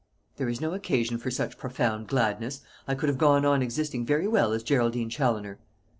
"There is no occasion for such profound gladness. I could have gone on existing very well as Geraldine Challoner."